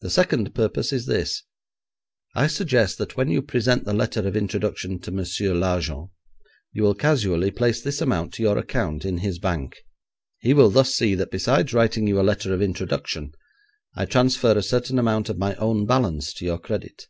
The second purpose is this: I suggest that when you present the letter of introduction to Monsieur Largent, you will casually place this amount to your account in his bank. He will thus see that besides writing you a letter of introduction, I transfer a certain amount of my own balance to your credit.